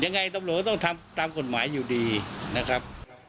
ยังไงตำรวจก็ต้องทำตามกฎหมายอยู่ดีนะครับ